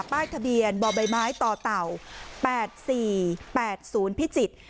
ป้ายทะเบียนบ่อใบไม้ต่อเต่าแปดสี่แปดศูนย์พิจิตร